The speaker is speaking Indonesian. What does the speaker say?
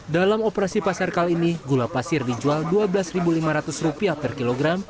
dalam operasi pasar kali ini gula pasir dijual rp dua belas lima ratus per kilogram